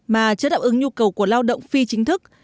mà chưa đáp ứng nhu cầu của lao động phi chính thức